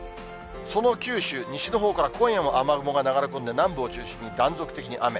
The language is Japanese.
その九州、西のほうから今夜も雨雲が流れ込んで、南部を中心に、断続的に雨。